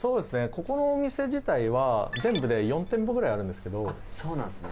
ここのお店自体は全部で４店舗ぐらいあるんですけどそうなんですね